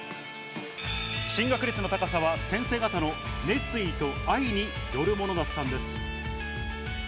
進学率の高さは先生方の熱意と愛によるものだったんです。